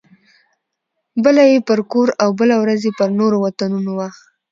بله یې پر کور او بله ورځ یې پر نورو وطنونو وه.